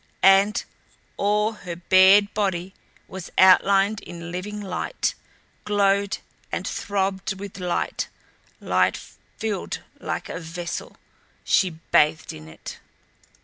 And all her bared body was outlined in living light, glowed and throbbed with light light filled her like a vessel, she bathed in it.